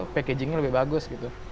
packagingnya lebih bagus gitu